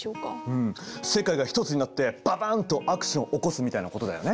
うん世界が一つになってババンとアクション起こすみたいなことだよね。